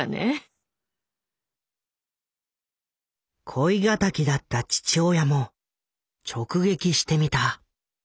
恋敵だった父親も直撃してみた。